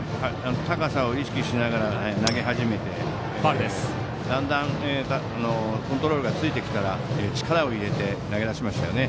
高さを意識しながら投げ始めて、だんだんコントロールがついてきたら力を入れて投げ始めましたね。